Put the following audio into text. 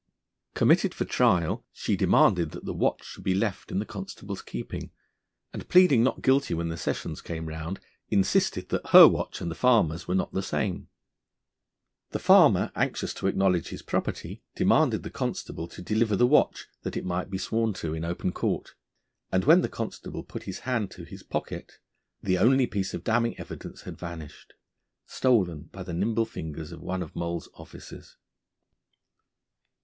Committed for trial, she demanded that the watch should be left in the constable's keeping, and, pleading not guilty when the sessions came round, insisted that her watch and the farmer's were not the same. The farmer, anxious to acknowledge his property, demanded the constable to deliver the watch, that it might be sworn to in open court; and when the constable put his hand to his pocket the only piece of damning evidence had vanished, stolen by the nimble fingers of one of Moll's officers.